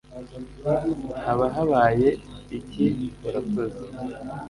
haba habaye iki murakoze